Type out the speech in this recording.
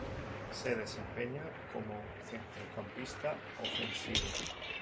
Se desempeñaba como centrocampista ofensivo.